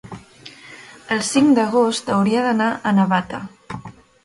el cinc d'agost hauria d'anar a Navata.